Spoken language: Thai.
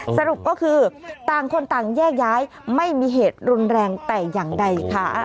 สรุปก็คือต่างคนต่างแยกย้ายไม่มีเหตุรุนแรงแต่อย่างใดค่ะ